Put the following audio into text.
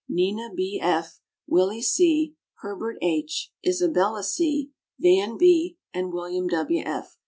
Nina B. F., Willie C., Herbert H., Isabella C. Van B., and William W.